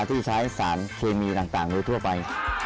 ที่ใช้สารเคมีต่างโดยทั่วไป